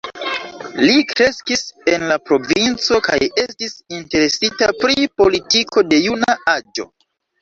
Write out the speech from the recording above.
Li kreskis en la provinco, kaj estis interesita pri politiko de juna aĝo.